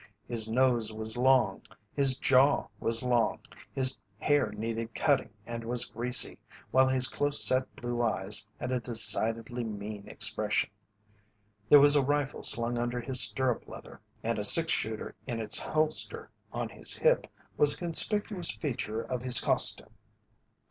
His nose was long, his jaw was long, his hair needed cutting and was greasy, while his close set blue eyes had a decidedly mean expression. There was a rifle slung under his stirrup leather, and a six shooter in its holster on his hip was a conspicuous feature of his costume.